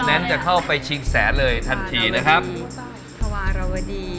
นั้นจะเข้าไปชิงแสนเลยทันทีนะครับธวารวดี